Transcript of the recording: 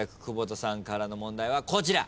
窪田さんからの問題はこちら。